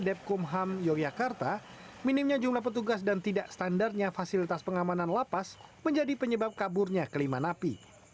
depkumham yogyakarta minimnya jumlah petugas dan tidak standarnya fasilitas pengamanan lapas menjadi penyebab kaburnya kelima napi